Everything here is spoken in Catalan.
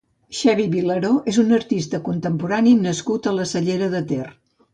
Xevi Vilaró és un artista contemporani nascut a la Cellera de Ter.